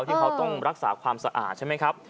ที่เขาต้องรักษาความสะอาดใช่ไหมครับ